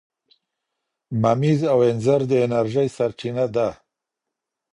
ممیز او انځر د انرژۍ سرچینه ده.